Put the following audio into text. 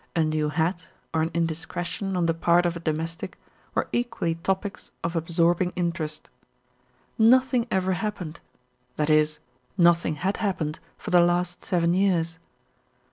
A new hat or an indiscretion on the part of a domestic were equally topics of absorbing interest. Nothing ever happened, that is nothing had happened for the last seven years.